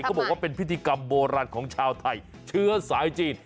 เขาบอกว่าเป็นพิธีกรรมโบราณของชาวไทยเชื้อสายจีน